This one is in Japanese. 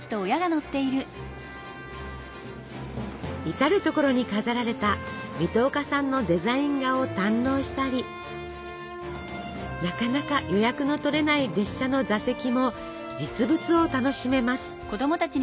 至る所に飾られた水戸岡さんのデザイン画を堪能したりなかなか予約の取れない列車の座席も実物を楽しめます。